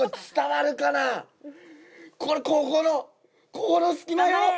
これここの隙間よ？